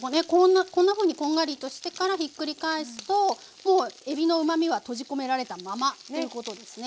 こんなふうにこんがりとしてからひっくり返すともうえびのうまみはとじ込められたままということですね。